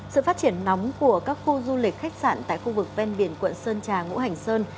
sự phát triển nóng của các khu du lịch khách sạn tại khu vực ven biển quận sơn trà ngũ hành sơn